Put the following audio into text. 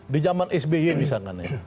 di zaman sby misalkan ya